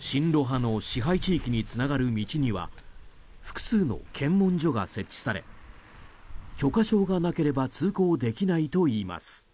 親ロ派の支配地域につながる道には複数の検問所が設置され許可証がなければ通行できないといいます。